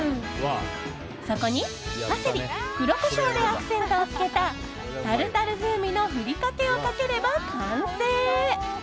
そこにパセリ、黒コショウでアクセントをつけたタルタル風味のふりかけをかければ完成。